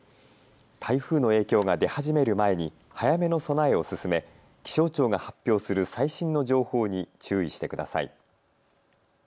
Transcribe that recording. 台風の影響が出始める前に早めの備えを進め、気象庁が発表する最新の情報に注意してください。